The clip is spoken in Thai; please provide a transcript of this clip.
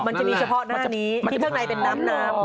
มันจะมีเฉพาะหน้านี้ที่ข้างในเป็นน้ำน้ำ